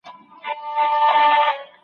ولي د شخصي عکسونو خپرول اجازه غواړي؟